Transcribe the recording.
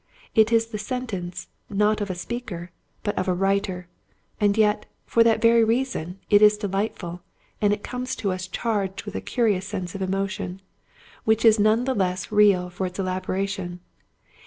It is the sentence, not of a speaker, but of a writer; and yet, for that very reason, it is delightful, and comes to us charged with a curious sense of emotion, which is none the less real for its elaboration.